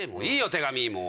手紙もう。